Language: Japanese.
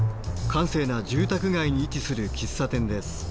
閑静な住宅街に位置する喫茶店です。